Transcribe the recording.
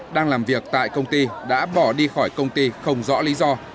đang làm việc tại công ty đã bỏ đi khỏi công ty không rõ lý do